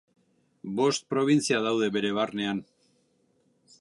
Bost probintzia daude bere barnean.